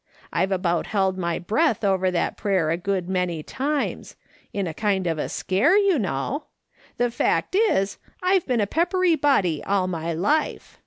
I've about held my breath over that prayer a good many times ; in a kind of a scare, you know. The fact is, I've been a peppery body all my life.